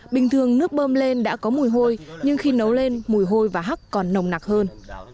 bình thường nước bơm lên đã có mùi hôi nhưng khi nấu lên mùi hôi và hắc còn nồng nặc hơn